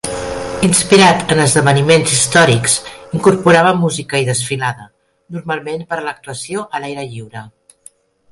Inspirat en esdeveniments històrics, incorporava música i desfilada, normalment per a l'actuació a l'aire lliure.